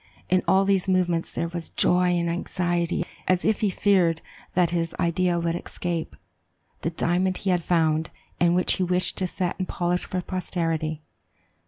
In all these movements there was joy and anxiety, as if he feared that his idea would escape, the diamond he had found, and which he wished to set and polish for posterity.